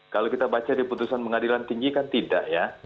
kalau kita baca di putusan pengadilan tinggi kan tidak ya